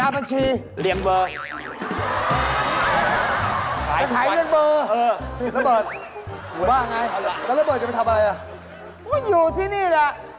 พวกเดียวไอ้สุปเปอร์ฮีโร้